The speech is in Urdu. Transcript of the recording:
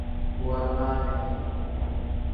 ‘ ورنہ نہیں۔